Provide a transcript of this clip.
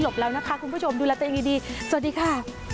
หลบแล้วนะคะคุณผู้ชมดูแล้วแต่อย่างดีสวัสดีค่ะ